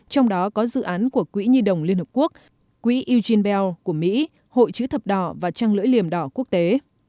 trong đó có dự án của quỹ nhi đồng liên hợp quốc quỹ ugen bell của mỹ hội chữ thập đỏ và trăng lưỡi liềm đỏ quốc tế